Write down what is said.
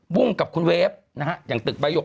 บุ้งกับคุณเวฟอย่างตึกบายยก